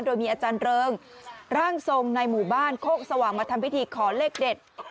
โดยมีอาจารย์เริงร่างทรงในหมู่บ้านโคกสว่างมาทำพิธีขอเลขเด็ด